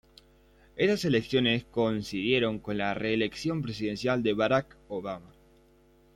Estas elecciones coincidieron con la reelección presidencial de Barack Obama.